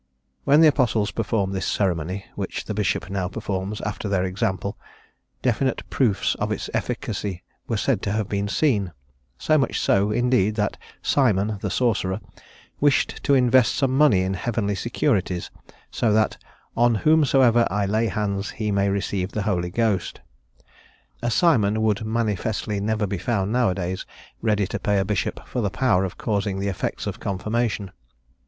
When the Apostles performed this ceremony, which the Bishop now performs after their example, definite proofs of its efficacy were said to have been seen; so much so, indeed, that Simon, the sorcerer, wished to invest some money in heavenly securities, so that "on whomsoever I lay hands he may receive the Holy Ghost." A Simon would manifestly never be found nowadays ready to pay a Bishop for the power of causing the effects of Confirmation.